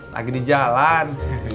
lagi di jalan